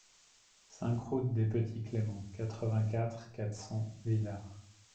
cinq route des Petits Cléments, quatre-vingt-quatre, quatre cents, Villars